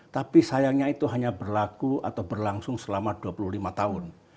tapi sayangnya itu hanya berlaku atau berlangsung selama dua puluh lima tahun